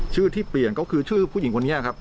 ชื่อที่เปลี่ยนก็คือชื่อผู้หญิงคนนี้ครับ